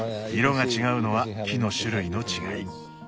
色が違うのは木の種類の違い。